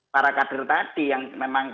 para kader tadi yang memang